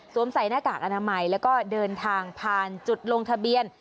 ใส่หน้ากากอนามัยแล้วก็เดินทางผ่านจุดลงทะเบียน